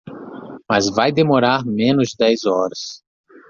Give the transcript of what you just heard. Mas vai demorar menos de dez horas.